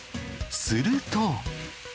すると。